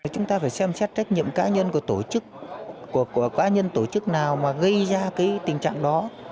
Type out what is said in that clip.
chúng ta phải xem xét trách nhiệm cá nhân của tổ chức của cá nhân tổ chức nào mà gây ra cái tình trạng đó